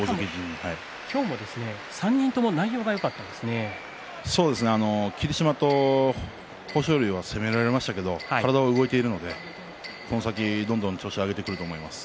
今日も３人とも霧島と豊昇龍は攻められましたけど体が動いているのでこの先、どんどん調子を上げてくると思います。